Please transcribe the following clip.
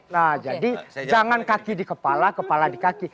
nah jadi jangan kaki di kepala kepala di kaki